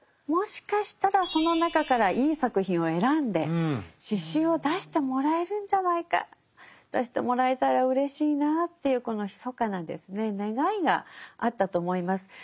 もしかしたらその中からいい作品を選んで詩集を出してもらえるんじゃないか出してもらえたらうれしいなぁっていうこのひそかなですね願いがあったと思います。